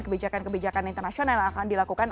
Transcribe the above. kebijakan kebijakan internasional yang akan dilakukan